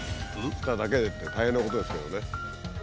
「しただけで」って大変なことですけどね。